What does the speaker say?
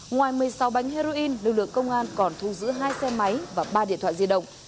ngoài một mươi sáu bánh heroin lực lượng công an còn thu giữ hai xe máy và ba điện thoại di động